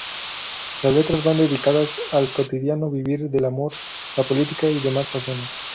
Las letras van dedicadas al cotidiano vivir del amor, la política y demás pasiones.